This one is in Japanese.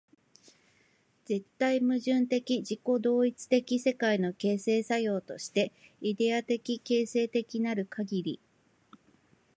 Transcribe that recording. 絶対矛盾的自己同一的世界の形成作用として、イデヤ的形成的なるかぎり、